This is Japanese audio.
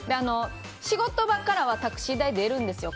仕事場からはタクシー代出るんですよ。